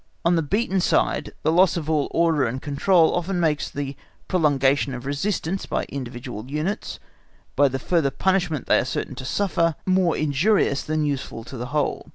On the beaten side, the loss of all order and control often makes the prolongation of resistance by individual units, by the further punishment they are certain to suffer, more injurious than useful to the whole.